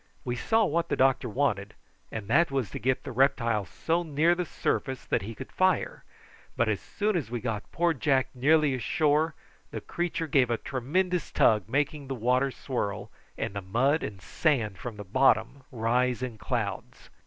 We saw what the doctor wanted, and that was to get the reptile so near the surface that he could fire; but as soon as we got poor Jack nearly ashore the creature gave a tremendous tug, making the water swirl and the mud and sand from the bottom rise in clouds.